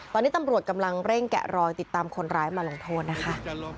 ตอนนี้ตำรวจกำลังเร่งแกะรอยติดตามคนร้ายมาลงโทษนะคะ